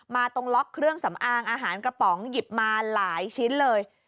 ตรงล็อกเครื่องสำอางอาหารกระป๋องหยิบมาหลายชิ้นเลย